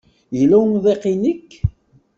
Yella umḍiq i nekk?